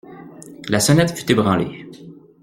La sonnette fut ébranlée.